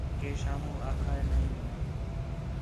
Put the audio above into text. کہ شاموں آکھا نَے مَنا